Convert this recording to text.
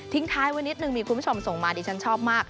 ทิ้งท้ายว่านิดนึงมีคุณผู้ชมมาส่งมาดีฉันชอบมาก